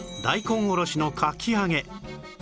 大根おろしのかき揚げ